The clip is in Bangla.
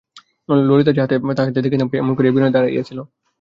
ললিতা যাহাতে তাহাকে না দেখিতে পায় এমন করিয়াই বিনয় দাঁড়াইয়াছিল।